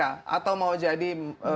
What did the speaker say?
atau mau jadi